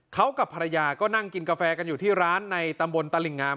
เขากับภรรยาก็นั่งกินกาแฟกันอยู่ที่ร้านในตำบลตลิ่งงาม